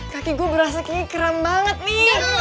kaki gue berasa kayaknya krem banget nih